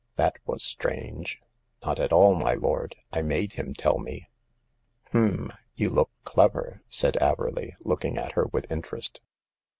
" That was strange." " Not at all, my lord. I made him tell me." " H'm ! you look clever," said Averley, looking at her with interest.